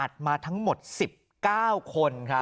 อัดมาทั้งหมดสิบเก้าคนครับ